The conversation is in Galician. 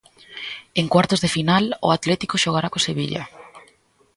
En cuartos de final, o Atlético xogará co Sevilla.